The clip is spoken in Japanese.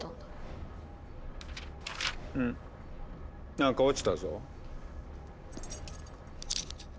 何か落ちたぞ。